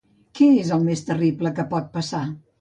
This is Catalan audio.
Què és el més terrible que pot passar?